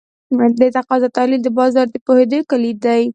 د تقاضا تحلیل د بازار د پوهې کلید دی.